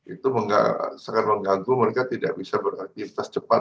itu sangat mengganggu mereka tidak bisa beraktivitas cepat